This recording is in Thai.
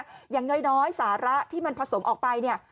อย่างน้อยสาระที่มันผสมออกไปเนี่ย